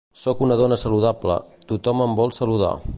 Sóc una dona saludable: tothom em vol saludar.